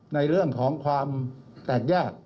ในเรื่องของความแตกแยก